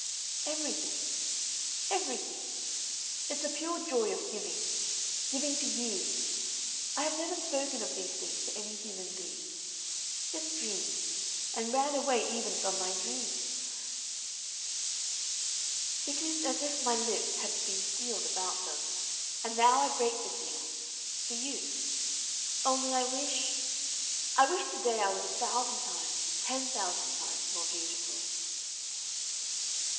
Everything. Everything. It's a pure joy of giving giving to YOU. I have never spoken of these things to any human being. Just dreamed and ran away even from my dreams. It is as if my lips had been sealed about them. And now I break the seals for you. Only I wish I wish to day I was a thousand times, ten thousand times more beautiful."